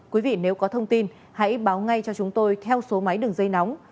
quý vị nếu có thông tin hãy báo ngay cho chúng tôi theo số máy đường dây nóng